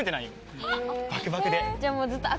バクバクで。